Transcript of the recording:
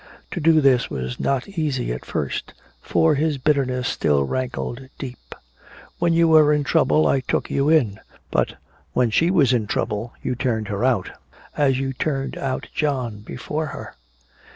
To do this was not easy at first, for his bitterness still rankled deep: "When you were in trouble I took you in, but when she was in trouble you turned her out, as you turned out John before her."